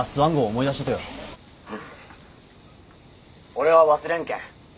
俺は忘れんけん。